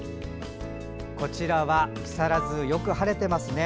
こちらは木更津よく晴れていますね。